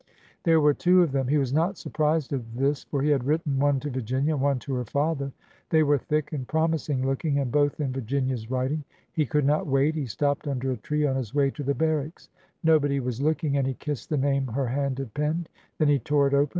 There were two of them. He was not surprised at this, for he had written one to Virginia and one to her father. They were thick and promising looking, and both in Virginia's writing. He could not wait. He stopped under a tree on his way to the barracks. Nobody was 23 354 ORDER NO. 11 looking, and he kissed the name her hand had penned. Then he tore it open.